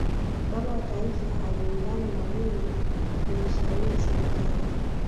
baba wa taifa aliungana na mwinyi kuishauli serikali